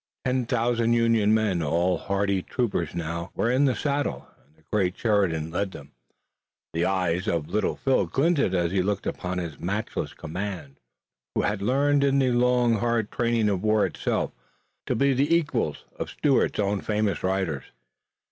Ten thousand Union men, all hardy troopers now, were in the saddle, and the great Sheridan led them. The eyes of Little Phil glinted as he looked upon his matchless command, bold youths who had learned in the long hard training of war itself, to be the equals of Stuart's own famous riders.